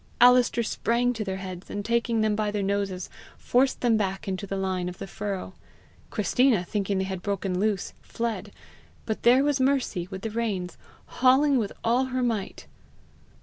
Alister sprang to their heads, and taking them by their noses forced them back into the line of the furrow. Christina, thinking they had broken loose, fled; but there was Mercy with the reins, hauling with all her might!